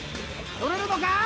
獲れるのか！？